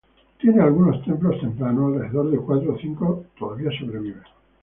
Tiene algunos templos tempranos, alrededor de cuatro o cinco todavía sobreviven.